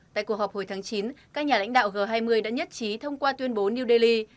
tại cuộc họp hồi tháng chín các nhà lãnh đạo g hai mươi đã nhất trí thông qua tuyên bố new delhi